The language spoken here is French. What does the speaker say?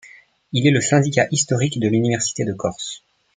Il est le syndicat historique de l'Université de Corse.